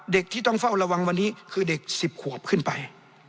เด็กที่ต้องเฝ้าระวังวันนี้คือเด็ก๑๐ขวบขึ้นไป